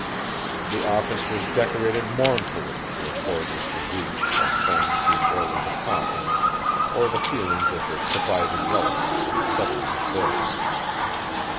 The office was decorated mournfully to accord with the grief of friends who ordered the coffins, or the feelings of the surviving relatives on settling the bills.